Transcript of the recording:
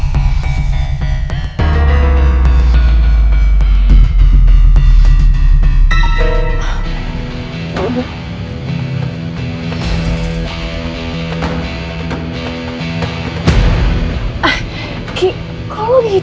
bernadi karena tim gue udahasik